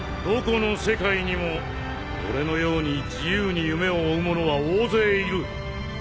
どこの世界にも俺のように自由に夢を追う者は大勢いる。